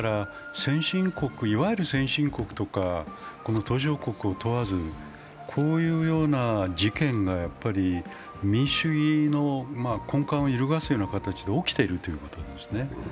いわゆる先進国とか途上国を問わずにこういう事件が民主主義の根幹を揺るがすような形で起きているということですね。